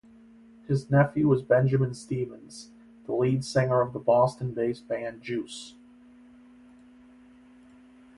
His nephew is Benjamin Stevens, the lead singer of the Boston-based band Juice.